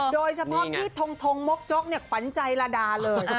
โดยเฉพาะพี่ทงทงมกจกเนี่ยขวัญใจลาดาเลย